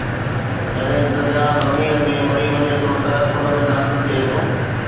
جڏهن درياهه زمين تي مري وڃي ٿو ته ان ۾ داخل ٿئي ٿو